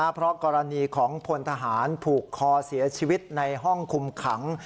เพราะกรณีของพลทหารผูกคอเสียชีวิตในห้องคุมขัง